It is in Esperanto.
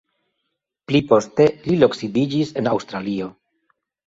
Pli poste li loksidiĝis en Aŭstralio.